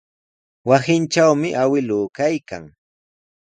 Wasintrawmi awkilluu kaykan.